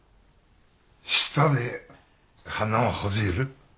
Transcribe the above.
舌で鼻をほじる。